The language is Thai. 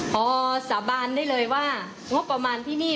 พอสาบานได้เลยว่างบประมาณที่นี่